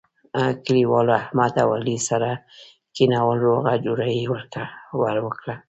کلیوالو احمد او علي سره کېنول روغه جوړه یې ور وکړه.